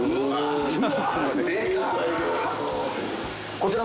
こちら。